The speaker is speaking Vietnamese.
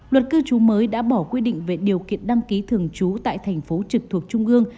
luật cư trú mới đã bỏ quy định về điều kiện đăng ký thường trú tại thành phố trực thuộc trung ương